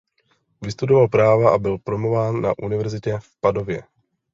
Vystudoval práva a byl promován na univerzitě v Padově.